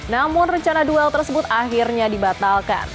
namun rencana duel tersebut akhirnya dibatalkan